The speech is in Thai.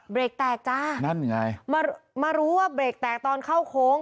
เบรกแตกจ้านั่นไงมามารู้ว่าเบรกแตกตอนเข้าโค้ง